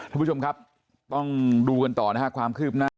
ทุกผู้ชมครับต้องดูกันต่อนะฮะความคืบหน้า